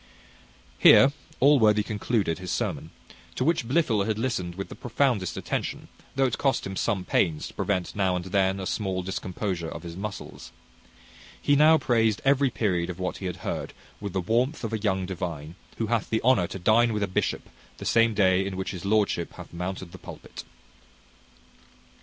Here Allworthy concluded his sermon, to which Blifil had listened with the profoundest attention, though it cost him some pains to prevent now and then a small discomposure of his muscles. He now praised every period of what he had heard with the warmth of a young divine, who hath the honour to dine with a bishop the same day in which his lordship hath mounted the pulpit.